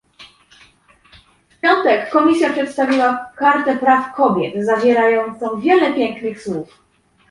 W piątek Komisja przedstawiła kartę praw kobiet zawierającą wiele pięknych słów